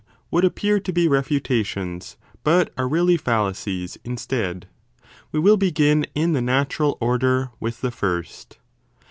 what appear 20 to be refutations but are really fallacies instead. We will begin in the natural order with the first.